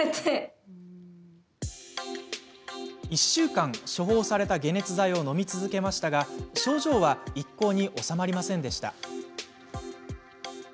１週間、処方された解熱剤をのみ続けましたが、症状は一向に治まりませんでした。